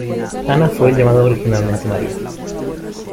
Ana fue llamada originalmente María.